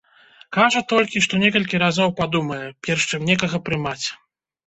Кажа толькі, што некалькі разоў падумае, перш чым некага прымаць.